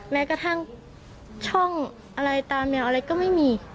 แม้กระทั่งช่องอะไรตาแมวอะไรก็ไม่มี